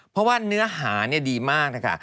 เพราะว่าเนื้อหาดีมากนะคะ